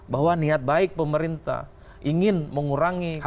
bahwa niat baik pemerintah ingin mengurangi